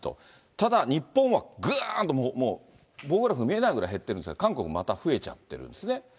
ただ日本はぐーんともう棒グラフ見えないぐらい減ってるんですが、韓国また増えちゃってるんですね。